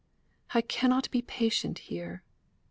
I cannot be patient here.